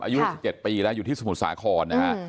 อายุห้าสิบเจ็ดปีแล้วอยู่ที่สมุทรสาครนะฮะ